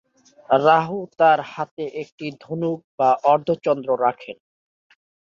রাহু তার হাতে একটি ধনুক বা অর্ধচন্দ্র রাখেন।